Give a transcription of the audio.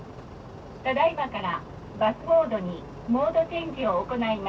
ただいまからバスモードにモードチェンジを行います」。